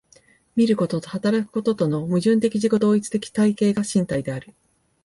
見ることと働くこととの矛盾的自己同一的体系が身体である。